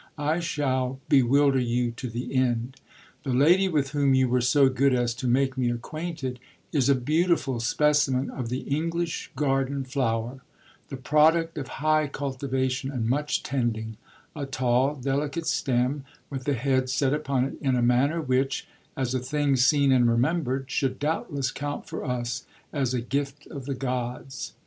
I shall bewilder you to the end. The lady with whom you were so good as to make me acquainted is a beautiful specimen of the English garden flower, the product of high cultivation and much tending; a tall, delicate stem with the head set upon it in a manner which, as a thing seen and remembered, should doubtless count for us as a gift of the gods.